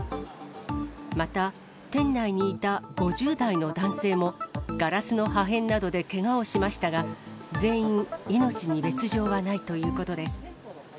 また、店内にいた５０代の男性も、ガラスの破片などでけがをしましたが、全員、命に別状はないということです。